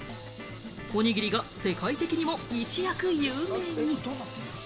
おにぎりが世界的にも一躍有名に。